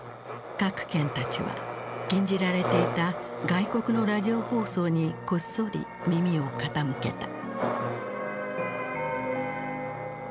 郭健たちは禁じられていた外国のラジオ放送にこっそり耳を傾けた。